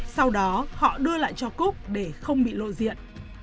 sau đó họ đưa lại cho cúc để không bị lộ diện